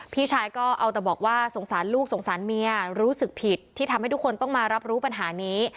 พี่ชายก็เอาแต่บอกว่าสงสารลูกสงสารเมียรู้สึกผิดที่ทำให้ทุกคนต้องมารับรู้ปัญหานี้